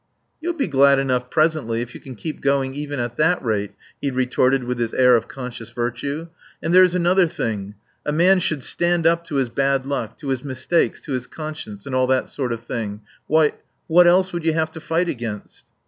"You'll be glad enough presently if you can keep going even at that rate," he retorted with his air of conscious virtue. "And there's another thing: a man should stand up to his bad luck, to his mistakes, to his conscience and all that sort of thing. Why what else would you have to fight against."